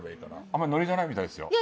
あんまりノリじゃないみたい。